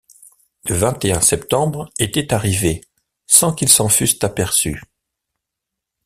Le vingt et un septembre était arrivé sans qu’ils s’en fussent aperçus.